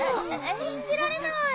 信じられない。